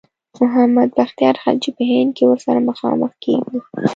محمد بختیار خلجي په هند کې ورسره مخامخ کیږو.